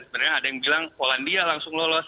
sebenarnya ada yang bilang polandia langsung lolos